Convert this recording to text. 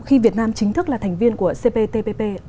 khi việt nam chính thức là thành viên của cptpp